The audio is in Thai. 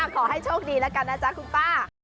ขอให้โชคดีแล้วกันนะจ๊ะคุณป้า